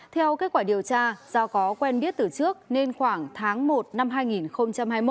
theo kết quả điều tra do có quen biết từ trước nên khoảng tháng một năm hai nghìn hai mươi một